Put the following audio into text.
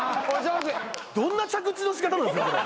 どんな着地の仕方なんですか？